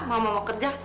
mama mau kerja